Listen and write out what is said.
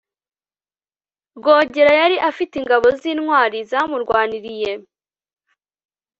rwogera yari afite ingabo z'intwari zamurwaniriye